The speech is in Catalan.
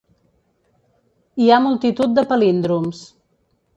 Hi ha multitud de palíndroms.